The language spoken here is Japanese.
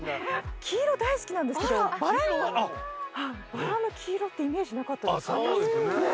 黄色大好きなんですけどバラの黄色ってイメージなかったです。